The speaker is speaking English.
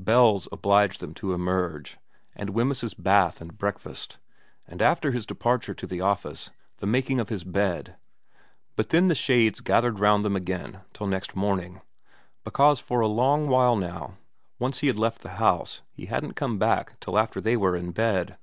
Bells obliged them to emerge, and Wemyss's bath and breakfast, and after his departure to his office the making of his bed ; but then the shades gathered round them again till next morning, because for a long while now once he had left the house he hadn't come back till after they were in bed.